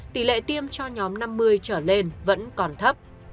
tỷ lệ tiêm cho nhóm năm mươi trở lên vẫn còn thấp